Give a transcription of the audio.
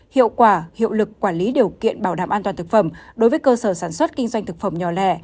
hiệu quả hiệu lực quản lý điều kiện bảo đảm an toàn thực phẩm đối với cơ sở sản xuất kinh doanh thực phẩm nhỏ lẻ